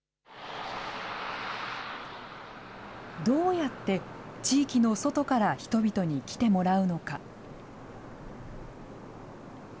どうやって地域の外から人々に来てもらうのか。